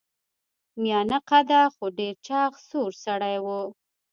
میانه قده خو ډیر چاغ سور سړی و.